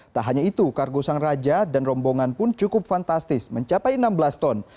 tak hanya itu kargo sang raja dan rombongan pun cukup fantastis mencapai enam belas ton